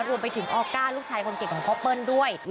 รวมไปถึงออก้าลูกชายคนเก่งของพ่อเปิ้ลด้วย